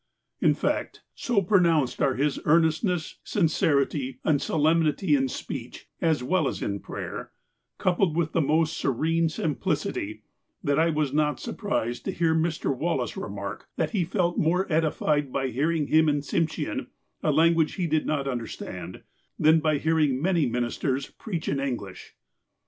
In fact, so pronounced are his earnestness, sincerity, and solemnity in speech, as well as in prayer, coupled with the most serene simplicity, that I was not surprised to hear Mr. Wallace remark that he felt more edified by hearing him in Tsimshean, a language he did not under stand, than by hearing many ministers preach in English.